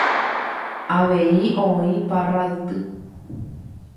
Avei oĩ parralty.